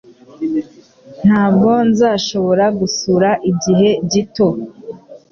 Ntabwo nzashobora gusura igihe gito